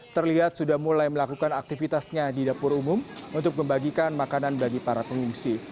terlihat sudah mulai melakukan aktivitasnya di dapur umum untuk membagikan makanan bagi para pengungsi